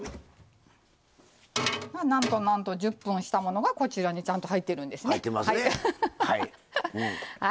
なんと１０分したものがこちらに、ちゃんと入ってるんですね。